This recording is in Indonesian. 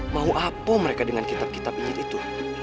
mau apa mereka dengan kitab kitab izin itu